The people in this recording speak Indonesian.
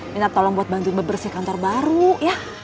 minta tolong buat bantuin bebersih kantor baru ya